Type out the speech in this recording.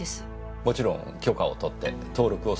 もちろん許可を取って登録を済ませた刀ですね？